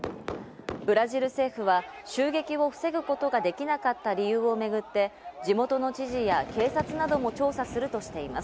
ブラジル政府は襲撃を防ぐことができなかった理由をめぐって地元の知事や警察なども調査するとしています。